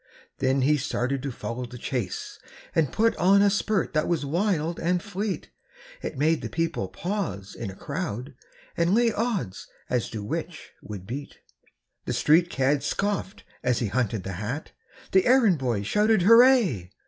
And then he started to follow the chase, And put on a spurt that was wild and fleet, It made the people pause in a crowd, And lay odds as to which would beat. The street cad scoffed as he hunted the hat, The errand boy shouted hooray!